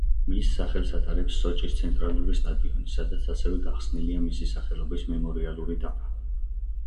მის სახელს ატარებს სოჭის ცენტრალური სტადიონი, სადაც ასევე გახსნილია მისი სახელობის მემორიალური დაფა.